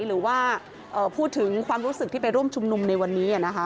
หรือว่าพูดถึงความรู้สึกที่ไปร่วมชุมนุมในวันนี้นะคะ